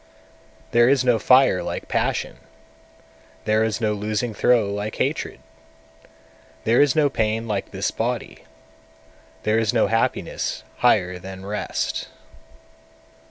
202. There is no fire like passion; there is no losing throw like hatred; there is no pain like this body; there is no happiness higher than rest.